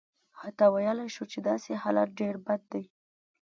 حتی ویلای شو چې داسې حالت ډېر بد دی.